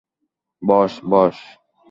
বস, বস।